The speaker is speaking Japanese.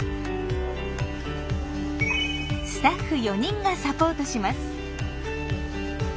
スタッフ４人がサポートします。